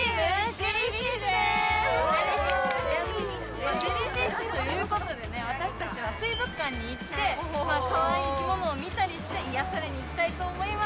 ＪＥＬＬＹＦＩＳＨということで私たちは水族館に行ってかわいい生き物を見たりして癒やされに行きたいと思います！